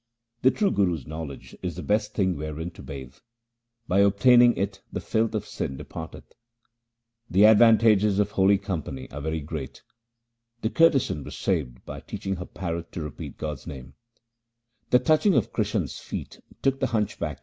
The true Guru's knowledge is the best thing wherein to bathe ; by obtaining it the filth of sin depart eth. The advantages of holy company are very great — the courtesan was saved by teaching her parrot to repeat God's name ; 1 The touching of Krishan's feet took the hunchback 2 to heaven.